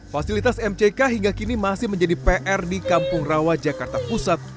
fasilitas mck hingga kini masih menjadi pr di kampung rawa jakarta pusat